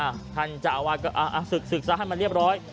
สุดท้ายท่านจะสึกษาให้มันเรียบร้อย